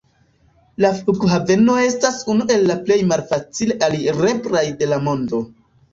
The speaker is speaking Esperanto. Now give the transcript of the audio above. La flughaveno estas unu el la plej malfacile alireblaj de la mondo.